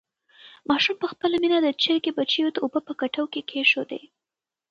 ماشوم په خپله مینه د چرګې بچیو ته اوبه په کټو کې کېښودې.